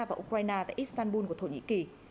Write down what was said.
và ukraine tại istanbul của thổ nhĩ kỳ